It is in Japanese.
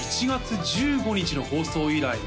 １月１５日の放送以来